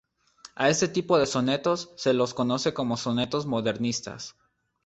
A este tipo de sonetos se los conoce como sonetos modernistas.